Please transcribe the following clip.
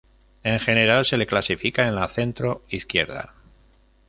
En general se le clasifica en la centro-izquierda.